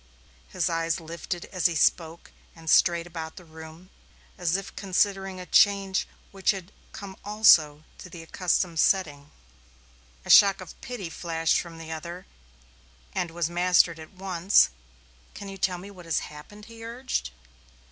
His eyes lifted as he spoke and strayed about the room as if considering a change which had come also to the accustomed setting. A shock of pity flashed from the other, and was mastered at once. "Can you tell me what has happened?" he urged.